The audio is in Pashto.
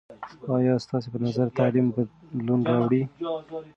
آیا ستا په نظر تعلیم بدلون راوړي؟